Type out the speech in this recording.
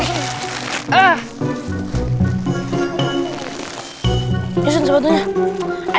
ini sun sepatunya